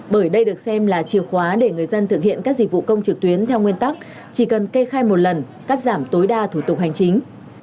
bởi đây được xem là chìa khóa để người dân thực hiện các dịch vụ công trực tuyến theo nguyên tắc chỉ cần kê khai một lần cắt giảm tối đa thủ tục hành chính